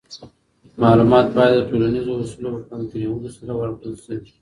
معلومات باید د ټولنیزو اصولو په پام کي نیولو سره ورکړل سي.